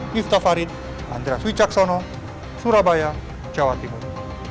yuta farid andreas wicaksono surabaya jawa timur